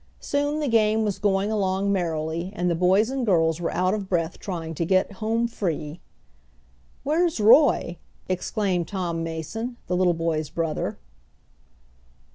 Soon the game was going along merrily, and the boys and girls were out of breath trying to get "home free." "Where's Roy?" exclaimed Tom Mason, the little boy's brother.